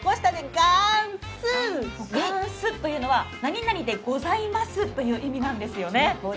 がんすというのは何々でございますという意味なんですよね。